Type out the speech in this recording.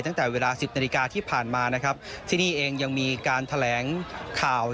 ตั้งแต่เวลาสิบนาฬิกาที่ผ่านมานะครับที่นี่เองยังมีการแถลงข่าว